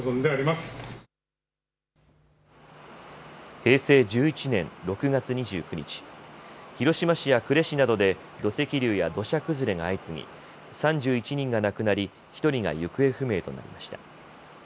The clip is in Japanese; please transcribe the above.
平成１１年６月２９日、広島市や呉市などで土石流や土砂崩れが相次ぎ３１人が亡くなり、１人が行方不明となりました。